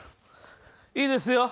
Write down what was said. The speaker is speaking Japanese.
いいですよ。